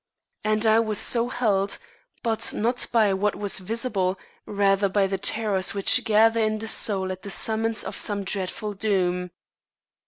And I was so held, but not by what was visible rather by the terrors which gather in the soul at the summons of some dreadful doom.